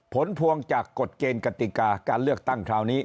ผลพวงจากกฎเกณฑ์กติกาการเลือกตั้งคราวนี้